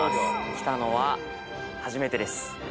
来たのは初めてです。